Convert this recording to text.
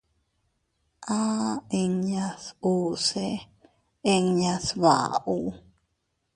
Aʼa inñas usse inña sbaʼa ù.